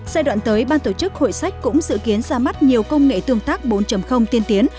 giai đoạn tới ban tổ chức hội sách cũng dự kiến ra mắt nhiều công nghệ tương tác bốn tiên tiến